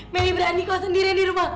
meli berani kau sendirian di rumah